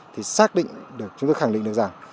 thì xác định được chúng tôi khẳng định được rằng